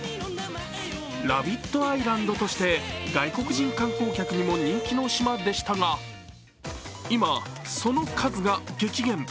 ラビットアイランドとして外国人観光客にも人気の島でしたが今、その数が激減。